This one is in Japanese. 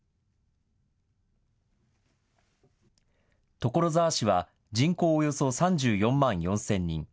所沢市は人口およそ３４万４０００人。